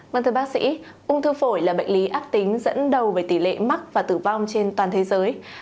vâng thưa bác sĩ ung thư phổi là bệnh lý ác tính dẫn đầu về tỷ lệ mắc và tử vong trên toàn thế giới